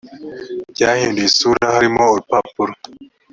byahinduye isura harimo urupapuro